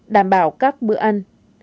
đảm bảo các bữa ăn